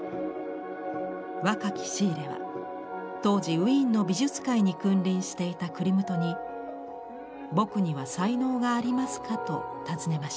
若きシーレは当時ウィーンの美術界に君臨していたクリムトに「僕には才能がありますか」と尋ねました。